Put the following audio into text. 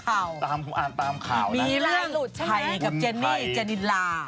อ่านตามข่าวนะครับมีเรื่องไทยกับเจนนี่จานิดลา